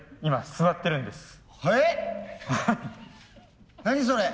座ってるんですよ。